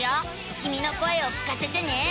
きみの声を聞かせてね。